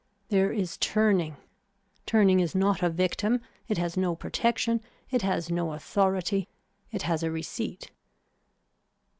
There is turning. Turning is not a victim, it has no protection, it has no authority, it has a receipt.